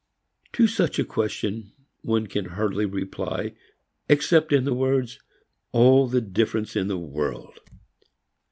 To such a question one can hardly reply except in the words "All the difference in the world."